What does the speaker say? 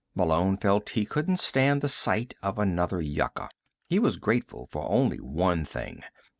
Malone felt he couldn't stand the sight of another yucca. He was grateful for only one thing.